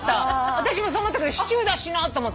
私もそう思ったけどシチューだしなと思って。